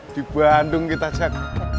di bandung kita cak